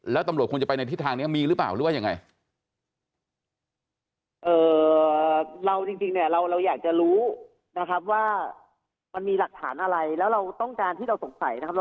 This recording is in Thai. แล้วตำรวจควรจะไปในทิศทางนี้มีหรือเปล่าหรือว่ายังไง